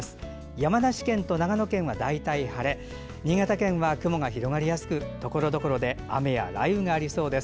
山梨県と長野県は大体晴れ新潟県は雲が広がりやすくところどころで雨や雷雨がありそうです。